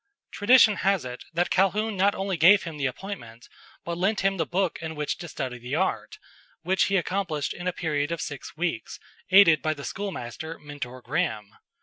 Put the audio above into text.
Tradition has it that Calhoun not only gave him the appointment, but lent him the book in which to study the art, which he accomplished in a period of six weeks, aided by the schoolmaster, Mentor Graham.